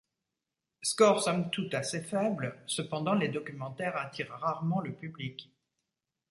Score somme toute assez faible, cependant les documentaires attirent rarement le public.